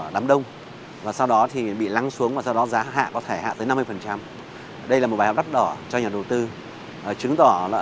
dẫn đến tiền mất tật mang